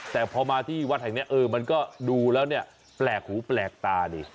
แต่พอมาที่วัดแห่งนี้เออมันก็ดูแล้วเนี่ยแปลกหูแปลกตาดี